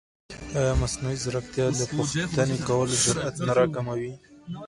ایا مصنوعي ځیرکتیا د پوښتنې کولو جرئت نه راکموي؟